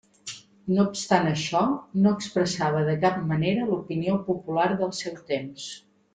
No obstant això, no expressava de cap manera l'opinió popular del seu temps.